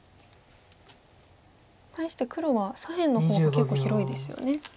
対して黒は左辺の方が結構広いですよね。